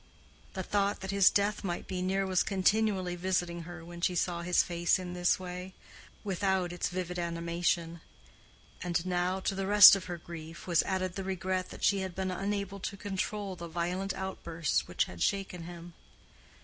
The thought that his death might be near was continually visiting her when she saw his face in this way, without its vivid animation; and now, to the rest of her grief, was added the regret that she had been unable to control the violent outburst which had shaken him.